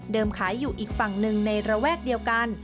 ขายอยู่อีกฝั่งหนึ่งในระแวกเดียวกัน